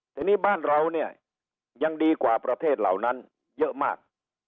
ทีนี้บ้านเราเนี่ยยังดีกว่าประเทศเหล่านั้นเยอะมาก